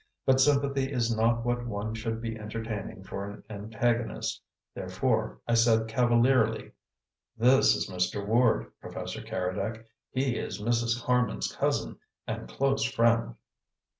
But sympathy is not what one should be entertaining for an antagonist; therefore I said cavalierly: "This is Mr. Ward, Professor Keredec. He is Mrs. Harman's cousin and close friend."